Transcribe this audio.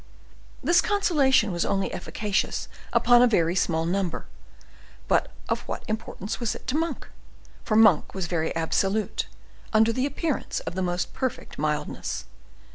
This consolation was only efficacious upon a very small number; but of what importance was it to Monk? for Monk was very absolute, under the appearance of the most perfect mildness.